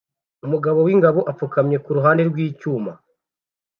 Umugabo wingabo apfukamye kuruhande rwicyuma